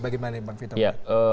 bagaimana ya pak fitra